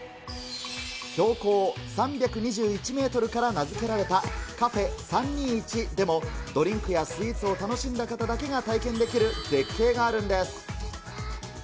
標高３２１メートルから名付けられたカフェ・３２１でも、ドリンクやスイーツを楽しんだ方だけが体験できる絶景があるんです。